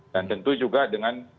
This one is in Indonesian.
dan tentu juga dengan